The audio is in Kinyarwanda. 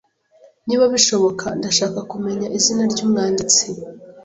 Niba bishoboka, ndashaka kumenya izina ryumwanditsi.